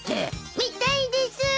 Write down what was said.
見たいです。